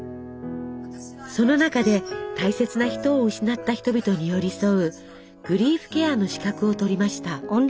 その中で大切な人を失った人々に寄り添うグリーフケアの資格をとりました。